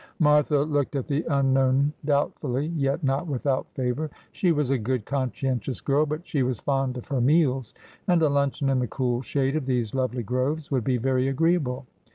Martha looked at the unknown doubtfully, yet not without favour. She was a good, conscientious girl : but she was fond of her meals, and a luncheon in the cool shade of these lovely groves would be very agreeable.